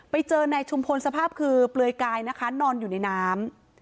ไปเจอนายชุมพลสภาพคือเปลือยกายนะคะนอนอยู่ในน้ำ